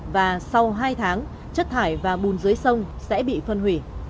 và sau hai tháng chất thải và bùn dưới sông sẽ bị phân hủy